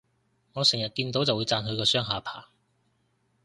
我成日見到就會讚佢個雙下巴